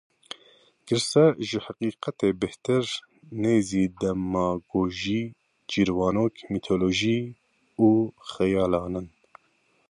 Girse ji heqîqetê bêhtir, nêzî demagojî, çîrvanok, mîtolojî û xeyalan in.